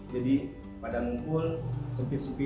jadi pada ngumpul sempit sempit